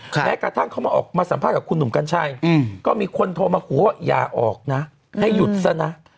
แม้กระทั่งเขามาออกมาสัมภาษณ์กับคุณหนุ่มกัญชัยก็มีคนโทรมาขอว่าอย่าออกนะให้หยุดซะนะ